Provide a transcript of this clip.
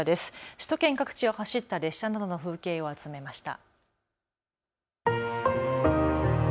首都圏各地を走った列車などの風景を集めました。